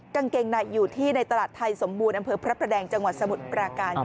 กางเกงในอยู่ที่ในตลาดไทยสมบูรณ์อำเภอพระประแดงจังหวัดสมุทรปราการ